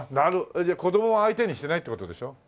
じゃあ子供は相手にしてないって事でしょ？